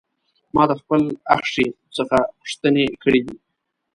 ما د خپل اخښي څخه پوښتنې کړې دي.